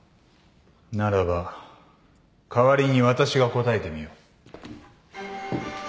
ならば代わりに私が答えてみよう。